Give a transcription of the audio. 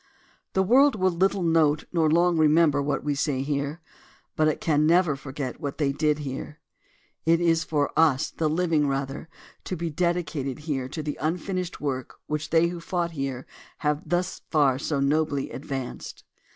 The world will little note nor long remember what we say here, but it can never forget what they did here. It is for us, the living, rather, to be dedicated here to the unfinished work which they who fought here have thus far so nobly advanced.